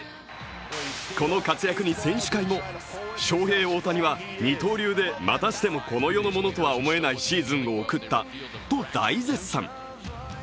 この活躍に選手会も、ショウヘイ・オオタニは二刀流でまたしてもこの世のものとは思えないシーズンを送ったと大絶賛。